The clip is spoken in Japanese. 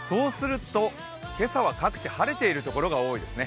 今朝は各地、晴れているところが多いですね。